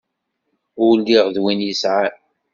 Ur lliɣ d win yesɛan.